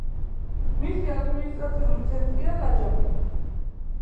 მისი ადმინისტრაციული ცენტრია ნაჯაფი.